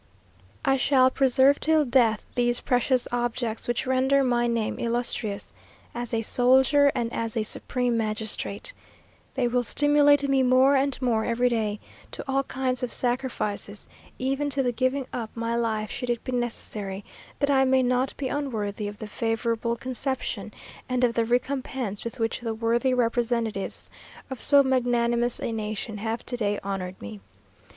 I shall preserve till death these precious objects which render my name illustrious as a soldier and as a supreme magistrate. They will stimulate me more and more every day to all kinds of sacrifices, even to the giving up my life should it be necessary; that I may not be unworthy of the favourable conception and of the recompence with which the worthy representatives of so magnanimous a nation have to day honoured me.